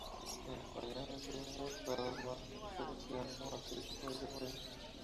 En España las ensaladas más habituales llevan tomate, lechuga y cebolla.